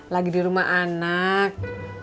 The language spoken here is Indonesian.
lagi di rumah anak